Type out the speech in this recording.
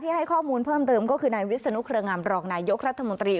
ให้ข้อมูลเพิ่มเติมก็คือนายวิศนุเครืองามรองนายยกรัฐมนตรี